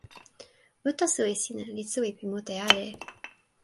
uta suwi sina li suwi pi mute ale.